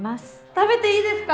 食べていいですか？